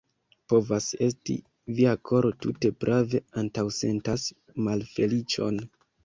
Povas esti, via koro tute prave antaŭsentas malfeliĉon.